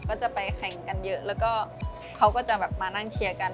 ก็จะไปแข่งกันเยอะแล้วก็เขาก็จะแบบมานั่งเชียร์กัน